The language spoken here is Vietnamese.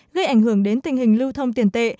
gây ảnh hưởng đến tình hình lưu thông tiền tệ